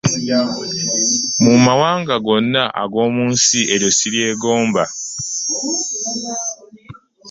Mu mawanga gonna ag'omunsi, eryo siryegomba.